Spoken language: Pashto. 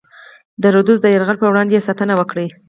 د رودز د یرغل پر وړاندې یې ساتنه وکړي.